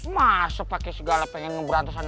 masa pakai segala pengen ngeberantas anak gini